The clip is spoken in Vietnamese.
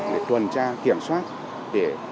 để tuần tra kiểm soát các phương tiện đi theo hướng